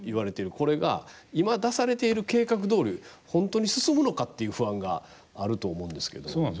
これが、今出されている計画どおり本当に進むのかっていう不安があると思うんですけど。